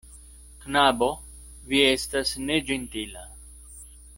Knabo, vi estas neĝentila.